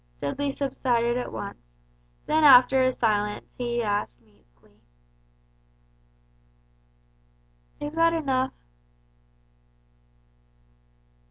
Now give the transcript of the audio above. Dudley subsided at once; then after a silence he asked meekly, "Is that enough?"